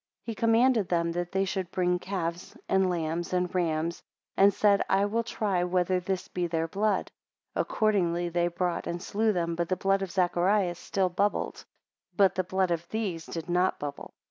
He commanded then, that they should bring calves, and lambs, and rams, and said I will try whether this be their blood: accordingly they brought and slew them, but the blood of Zacharias still bubbled, but the blood of these did not bubble.